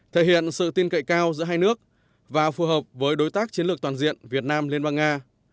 thể hiện sự tin cậy cao giữa hai nước và phù hợp với đối tác chiến lược toàn diện việt nam liên bang nga